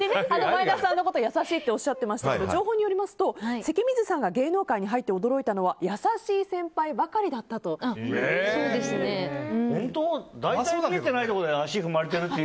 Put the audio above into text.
前田さんのことを優しいとおっしゃっていましたが情報によりますと関水さんが芸能界に入って驚いたのが優しい先輩ばかりだったということだと。